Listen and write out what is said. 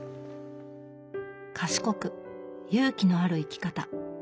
賢く勇気のある生き方。